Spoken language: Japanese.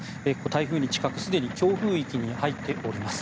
台風に近くすでに強風域に入っております。